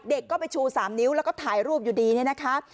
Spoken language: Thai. เด็กก็ไปชู๓นิ้วแล้วก็ถ่ายรูปอยู่ดีเนี่ยนะคะ